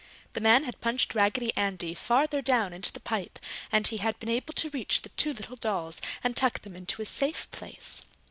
The man had punched Raggedy Andy farther down into the pipe, and he had been able to reach the two little dolls and tuck them into a safe place.